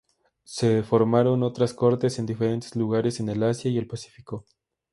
Se formaron otras cortes en diferentes lugares en el Asia y el Pacífico.